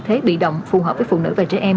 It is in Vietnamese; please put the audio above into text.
thế bị động phù hợp với phụ nữ và trẻ em